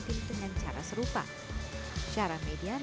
dengan cara serupa